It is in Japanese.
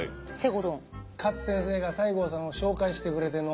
勝先生が西郷さんを紹介してくれての。